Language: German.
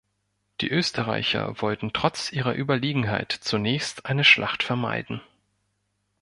Die Österreicher wollten trotz ihrer Überlegenheit zunächst eine Schlacht vermeiden.